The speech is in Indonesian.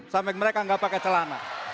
sampai mereka nggak pakai celana